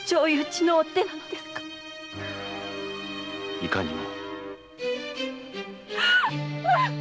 いかにも。